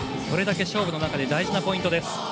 それだけ勝負の中で大事なポイントです。